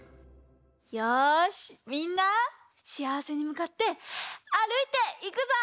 よしみんなしあわせにむかってあるいていくぞ！